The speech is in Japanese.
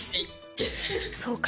そうか。